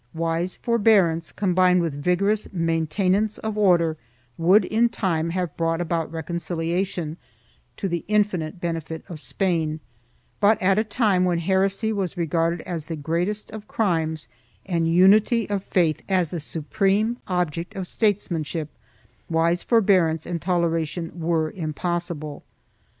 Wise forbearance, combined with vigorous mainte nance of order, would in time have brought about reconciliation, to the infinite benefit of Spain, but at a time when heresy was regarded as the greatest of crimes and unity of faith as the supreme object of statesmanship, wise forbearance and toleration were impossible.